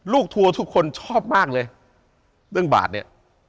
ทัวร์ทุกคนชอบมากเลยเรื่องบาทเนี่ย